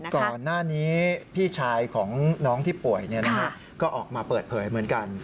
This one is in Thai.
ก่อนหน้านี้พี่ชายของน้องที่ป่วยก็ออกมาเปิดเผยเหมือนกัน